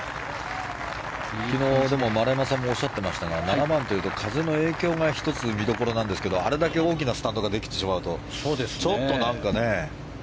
昨日、丸山さんもおっしゃってましたが７番というと風の影響が１つ、見どころなんですけどあれだけ大きなスタンドができてしまうとちょっとなんかね。